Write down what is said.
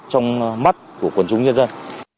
trong mắt của quần chúng nhân dân